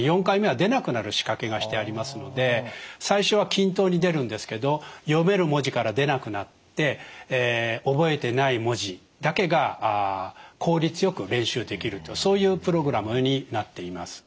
４回目は出なくなる仕掛けがしてありますので最初は均等に出るんですけど読める文字から出なくなって覚えてない文字だけが効率よく練習できるそういうプログラムになっています。